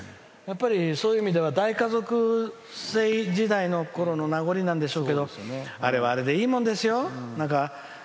そういう意味では大家族時代の名残なんでしょうけどあれはあれでいいもんですよ。